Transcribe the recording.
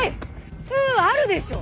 普通あるでしょ！？